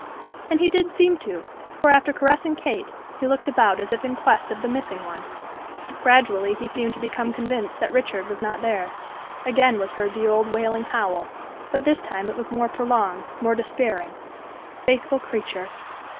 And he did seem to, for after caressing Kate, he looked about as if in quest of the missing one. Gradually he seemed to become convinced that Richard was not there; again was heard the old wailing howl; but this time it was more prolonged, more despairing. Faithful creature!